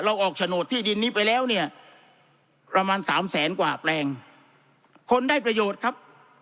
ออกโฉนดที่ดินนี้ไปแล้วเนี่ยประมาณสามแสนกว่าแปลงคนได้ประโยชน์ครับ